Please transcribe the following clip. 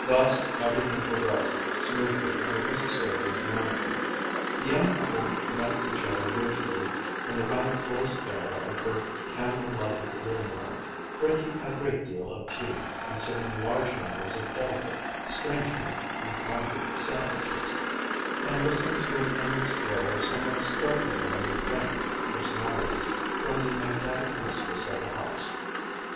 Thus everything progressed smoothly under Mrs. Draper's management. The young couple met each other usually in the rather close air of her candle lighted living room, drinking a great deal of tea, consuming large numbers of delicate, strangely compounded sandwiches, and listening to an endless flow of somewhat startlingly frank personalities from the magnetic mistress of the house.